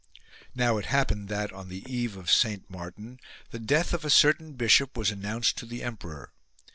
Now it happened that, on the eve of Saint Martin, the death of a certain bishop was an nounced to the emperor.